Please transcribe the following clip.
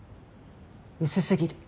薄すぎる。